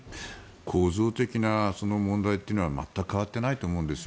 構造的な問題というのは全く変わってないと思うんですよ。